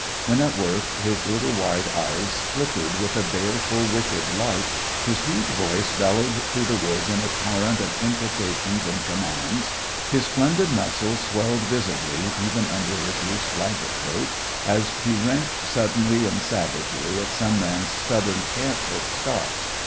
When at work his little wide eyes flickered with a baleful, wicked light, his huge voice bellowed through the woods in a torrent of imprecations and commands, his splendid muscles swelled visibly even under his loose blanket coat as he wrenched suddenly and savagely at some man's stubborn cant hook stock.